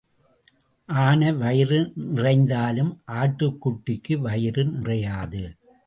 ஆனை வயிறு நிறைந்தாலும் ஆட்டுக் குட்டிக்கு வயிறு நிறையாது.